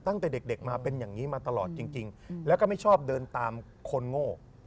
ตั้งแต่เด็กมาเป็นอย่างนี้มาตลอดจริงแล้วก็ไม่ชอบเดินตามคนโง่